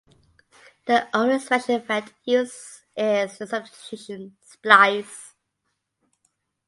The only special effect used is the substitution splice.